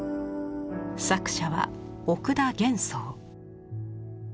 作者は奥田元宋。